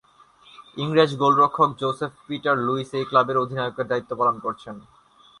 ইংরেজ গোলরক্ষক Joseph Peter Lewis এই ক্লাবের অধিনায়কের দায়িত্ব পালন করছেন।